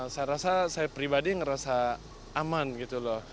saya rasa saya pribadi ngerasa aman gitu loh